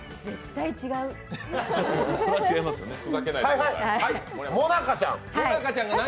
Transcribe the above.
絶対違う。